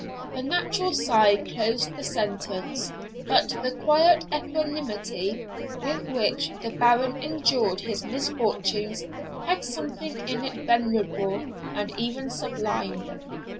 A natural sigh closed the sentence; but the quiet equanimity with which the Baron endured his misfortunes had something in it venerable and even sublime.